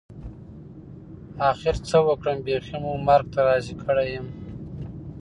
اخر څه وکړم بيخي مو مرګ ته راضي کړى يم.